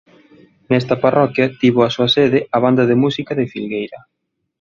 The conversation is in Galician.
Nesta parroquia tivo a súa sede a Banda de música de Filgueira.